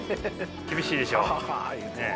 厳しいでしょねえ。